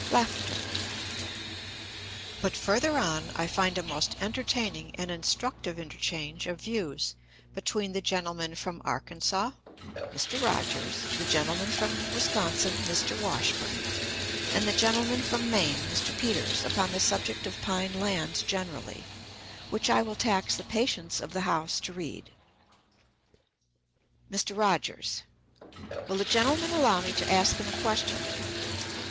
But further on I find a most entertaining and instructive interchange of views between the gentleman from Arkansas (Mr. Rogers), the gentleman from Wisconsin (Mr. Washburn), and the gentleman from Maine (Mr. Peters) upon the subject of pine lands generally, which I will tax the patience of the House to read: "Mr. Rogers. Will the gentleman allow me to ask him a question?